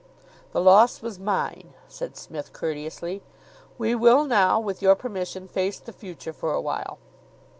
"The loss was mine," said Psmith courteously. "We will now, with your permission, face the future for awhile.